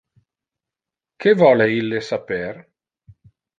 Que vole ille saper?